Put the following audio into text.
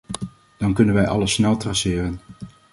Dan kunnen wij alles snel traceren.